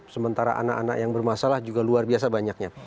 sementara anak anak yang bermasalah juga luar biasa banyaknya